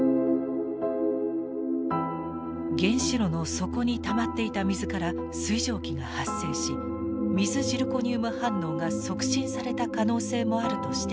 原子炉の底にたまっていた水から水蒸気が発生し水ジルコニウム反応が促進された可能性もあるとしています。